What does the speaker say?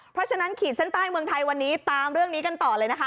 เพราะฉะนั้นขีดเส้นใต้เมืองไทยวันนี้ตามเรื่องนี้กันต่อเลยนะคะ